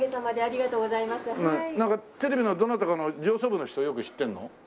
なんかテレビのどなたかの上層部の人よく知ってるの？